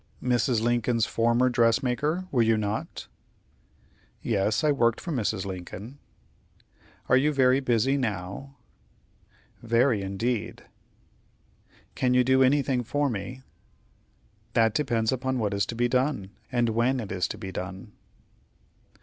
"Mrs. Lincoln's former dressmaker, were you not?" "Yes, I worked for Mrs. Lincoln." "Are you very busy now?" "Very, indeed." "Can you do anything for me?" "That depends upon what is to be done, and when it is to be done."